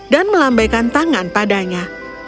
dan melambaikan tangan padanya